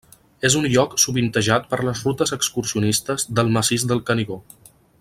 És un lloc sovintejat per les rutes excursionistes del Massís del Canigó.